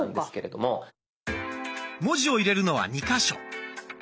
文字を入れるのは２か所。